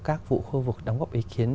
các vụ khu vực đóng góp ý kiến